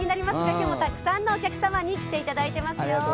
今日もたくさんのお客様にお越しいただいています。